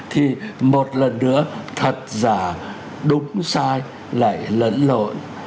thì một lần nữa thật giả đúng sai lại lẫn lộn